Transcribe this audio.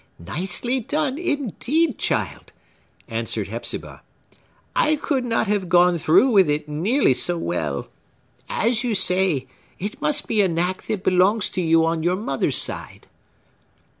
"Nicely done, indeed, child!" answered Hepzibah. "I could not have gone through with it nearly so well. As you say, it must be a knack that belongs to you on the mother's side."